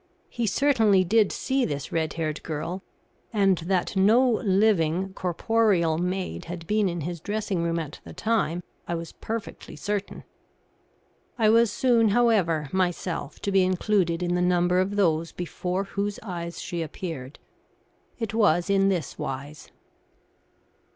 He certainly did see this red haired girl, and that no living, corporeal maid had been in his dressing room at the time I was perfectly certain. I was soon, however, myself to be included in the number of those before whose eyes she appeared. It was in this wise.